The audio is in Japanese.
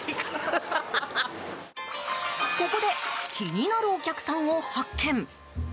ここで気になるお客さんを発見。